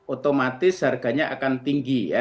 otomatis harganya akan tinggi ya